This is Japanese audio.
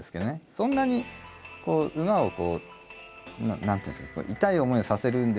そんなに馬を何ていうんですか痛い思いをさせるのではなくて。